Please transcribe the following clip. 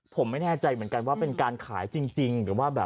ผมไม่แน่ใจเหมือนกันว่าเป็นการขายจริง